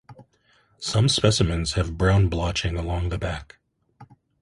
Some specimens have brown blotching along the back.